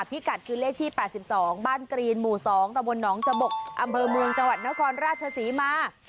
พิกัดคือเลขที่๘๒บ้านกรีนหมู่๒ตะบนหนองจบกอำเภอเมืองจังหวัดนครราชศรีมา